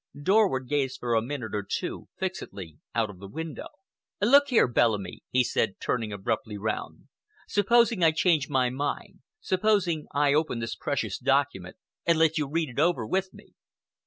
Dorward gazed for a minute or two fixedly out of the window. "Look here, Bellamy," he said, turning abruptly round, "supposing I change my mind, supposing I open this precious document and let you read it over with me?"